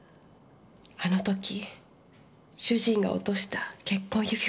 あの時主人が落とした結婚指輪です。